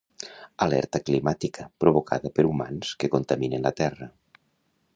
Alerta climàtica provocada per humans que contaminen la Terra.